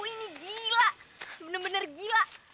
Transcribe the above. ini gila bener bener gila